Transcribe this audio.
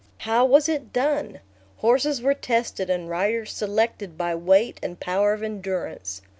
How was it done? Horses were tested and riders selected by weight and power of endurance.